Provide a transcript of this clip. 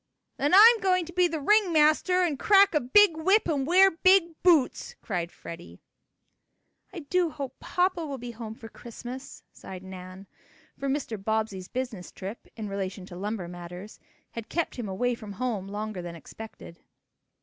"Then I'm going to be the ring master and crack a big whip and wear big boots!" cried Freddie. "I do hope papa will be home for Christmas," sighed Nan, for Mr. Bobbsey's business trip, in relation to lumber matters, had kept him away from home longer than expected.